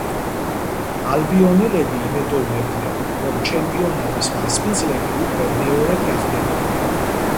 ალბიონელები იმედოვნებდნენ, რომ ჩემპიონატის მასპინძლები უკვე მეორედ გახდებოდნენ.